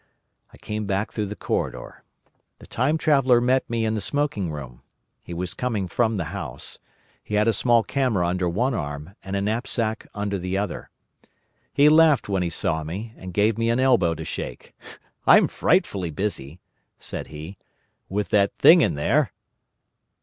I came back through the corridor. The Time Traveller met me in the smoking room. He was coming from the house. He had a small camera under one arm and a knapsack under the other. He laughed when he saw me, and gave me an elbow to shake. "I'm frightfully busy," said he, "with that thing in there."